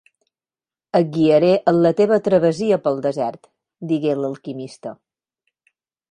"Et guiaré en la teva travessia pel desert", digué l'alquimista.